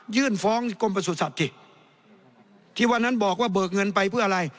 ยื่นฟ้องกรมประสุทธิ์สิที่วันนั้นบอกว่าเบิกเงินไปเพื่ออะไร